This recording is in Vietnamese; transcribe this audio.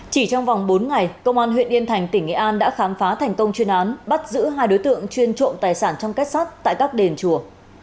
chỉ trong vòng bốn ngày công an huyện yên thành tỉnh nghệ an đã khám phá thành công chuyên án bắt giữ hai đối tượng chuyên trộm tài sản trong kết sắt tại các đền chùa